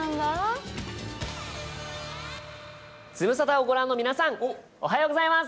ズムサタをご覧の皆さん、おはようございます。